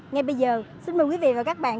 ngay bây giờ xin mời quý vị và các bạn